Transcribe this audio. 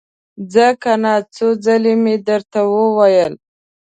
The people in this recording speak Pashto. ځه کنه! څو ځلې مې درته وويل!